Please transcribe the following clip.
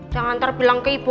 jangan ntar bilang ke ibu